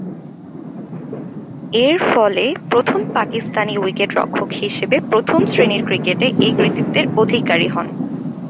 এরফলে, প্রথম পাকিস্তানি উইকেট-রক্ষক হিসেবে প্রথম-শ্রেণীর ক্রিকেটে এ কৃতিত্বের অধিকারী হন।